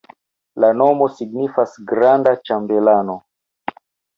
La nomo signifas granda-ĉambelano.